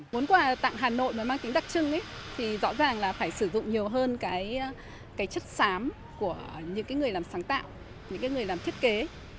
muốn quà tặng hà nội mà mang tính đặc trưng thì rõ ràng là phải sử dụng nhiều hơn cái chất xám của những người làm sáng tạo những người làm thiết kế